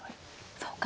そうか。